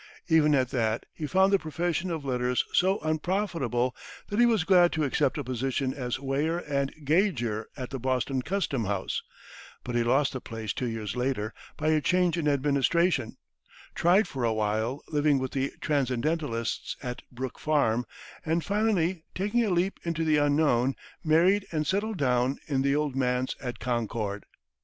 Even at that, he found the profession of letters so unprofitable that he was glad to accept a position as weigher and gauger at the Boston custom house, but he lost the place two years later by a change in administration; tried, for a while, living with the Transcendentalists at Brook Farm, and finally, taking a leap into the unknown, married and settled down in the old manse at Concord.